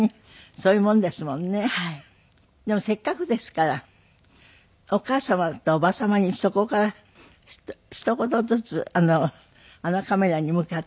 でもせっかくですからお母様と伯母様にそこからひと言ずつあのカメラに向かって。